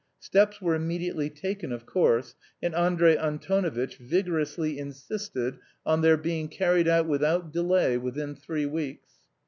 Steps were immediately taken, of course, and Andrey Antonovitch vigorously insisted on their being carried out without delay within three weeks.